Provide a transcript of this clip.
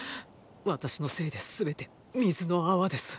私のせいで全て水の泡です。